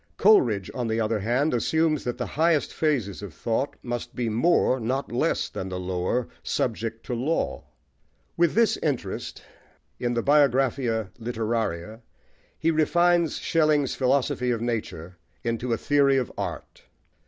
Coleridge, on the other hand, assumes that the highest phases of thought must be more, not less, than the lower, subject to law. With this interest, in the Biographia Literaria, he refines Schelling's "Philosophy of Nature" into a theory of art.